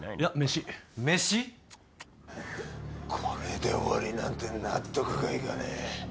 これで終わりなんて納得がいかねえ。